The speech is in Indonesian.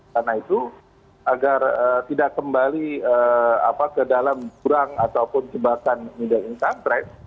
karena itu agar tidak kembali ke dalam kurang ataupun kebakaran middle income trade